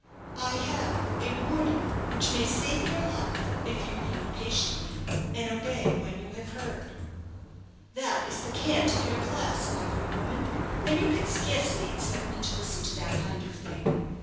"I have a warning which may save your life if you hear me patiently, and obey when you have heard." "That is the cant of your class, my good woman; and you can scarcely expect me to listen to that kind of thing.